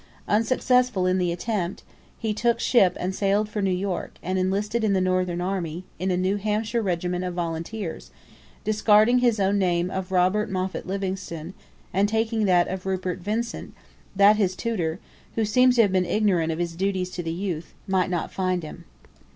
Unsuccessful in his attempt, he took ship and sailed for New York, and enlisted in the Northern Army, in a New Hampshire regiment of Volunteers, discarding his own name of Robert Moffatt Livingstone, and taking that of Rupert Vincent that his tutor, who seems to have been ignorant of his duties to the youth, might not find him.